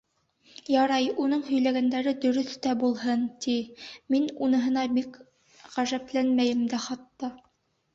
Ярай, уның һөйләгәндәре дөрөҫ тә булһын, ти, мин уныһына бик ғәжәпләнмәйем дә хатта.